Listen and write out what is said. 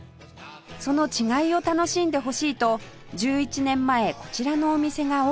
その違いを楽しんでほしいと１１年前こちらのお店がオープン